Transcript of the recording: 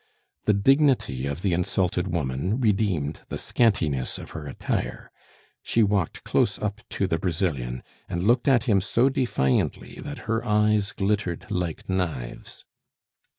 The dignity of the insulted woman redeemed the scantiness of her attire; she walked close up to the Brazilian, and looked at him so defiantly that her eyes glittered like knives.